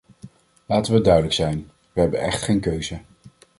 Laten we duidelijk zijn: we hebben echt geen keuze.